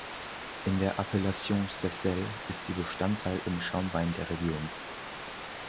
In der Appellation Seyssel ist sie Bestandteil im Schaumwein der Region.